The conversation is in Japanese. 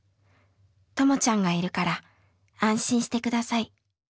ともちゃんがいるから安心して下さい。